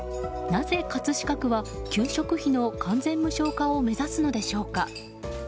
なぜ葛飾区は給食費の完全無償化を目指すのでしょうか。